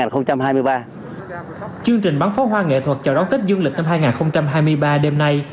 chương trình bắn pháo hoa nghệ thuật chào đón tết dương lịch năm hai nghìn hai mươi ba đêm nay